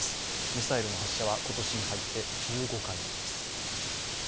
ミサイルの発射は今年に入って１５回目です。